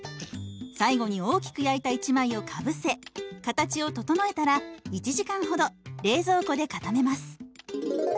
最後に大きく焼いた１枚をかぶせ形を整えたら１時間ほど冷蔵庫で固めます。